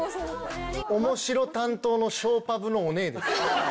・おもしろ担当のショーパブのオネエです。